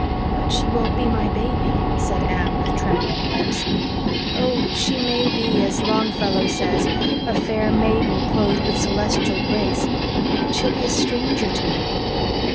"But she won't be my baby," said Anne, with trembling lips. "Oh, she may be, as Longfellow says, 'a fair maiden clothed with celestial grace' but she'll be a stranger to me."